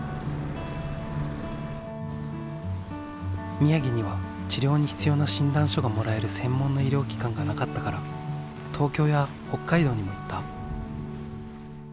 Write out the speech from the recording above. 宮城には治療に必要な診断書がもらえる専門の医療機関がなかったから東京や北海道にも行った。